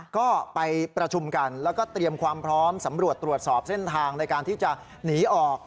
ก็ไปประชุมกันแล้วก็เตรียมความพร้อมสำรวจตรวจสอบเส้นทางในการที่จะหนีออก